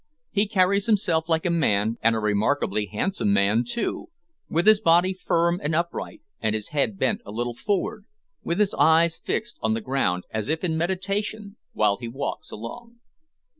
He carries himself like a man, and a remarkably handsome man too, with his body firm and upright, and his head bent a little forward, with his eyes fixed on the ground, as if in meditation, while he walks along.